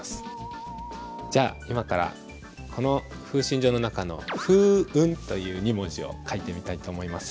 じゃあ今からこの「風信帖」の中の「風雲」という２文字を書いてみたいと思います。